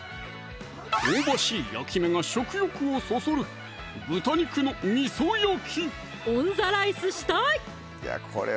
香ばしい焼き目が食欲をそそるオンザライスしたい！